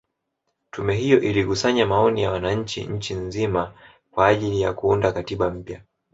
Tume hiyo ilikusanya maoni ya wananchi nchi nzima kwa ajili ya kuunda katiba mpya